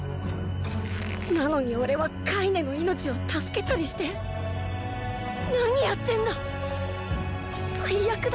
なのにオレはカイネの命を助けたりして何やってんだ最悪だ。